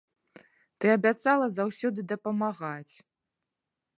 Ты абяцала заўсёды дапамагаць.